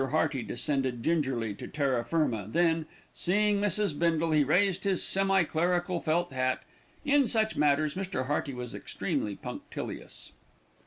Hearty descended gingerly to terra firma, then, seeing Mrs. Bindle, he raised his semi clerical felt hat. In such matters, Mr. Hearty was extremely punctilious.